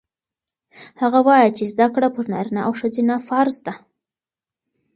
هغه وایي چې زده کړه پر نارینه او ښځینه فرض ده.